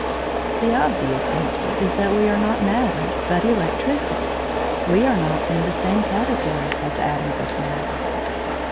The obvious answer is that we are not matter, but electricity; we are not in the same category as atoms of matter.